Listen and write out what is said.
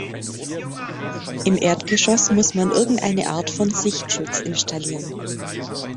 Im Erdgeschoss muss man irgendeine Art von Sichtschutz installieren.